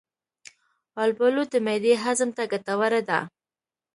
البالو د معدې هضم ته ګټوره ده.